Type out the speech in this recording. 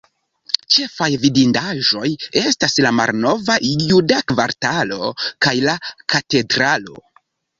Ĉefaj vidindaĵoj estas la malnova juda kvartalo, kaj la Katedralo.